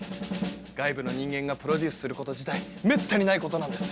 外部の人間がプロデュースすること自体めったにないことなんです！